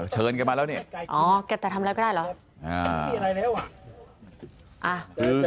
เชิญกันมาแล้วเนี่ยแกจะทำอะไรก็ได้เหรอ